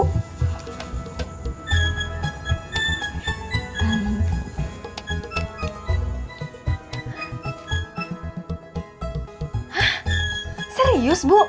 hah serius bu